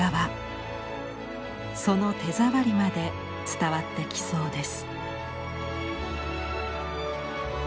その手触りまで伝わってきそうです。